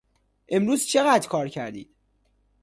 امروز چقدر کار کردید؟